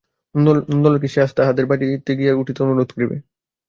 নন্দলালকে সে আজ তাহদের বাড়ি গিয়া উঠিতে অনুরোধ করিবে।